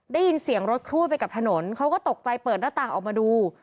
ได้ยินเสียงรถครูดไปกับถนนเขาก็ตกใจเปิดหน้าต่างออกมาดู